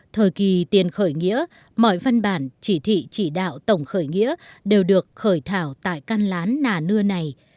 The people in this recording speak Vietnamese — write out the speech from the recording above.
thời kỳ tiền khởi nghĩa mọi văn bản chỉ thị chỉ đạo tổng khởi nghĩa đều được khởi thảo tại căn lán nà nưa này